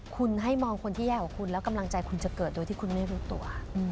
คุณให้มองคนที่แย่กว่าคุณแล้วกำลังใจคุณจะเกิดโดยที่คุณไม่รู้ตัว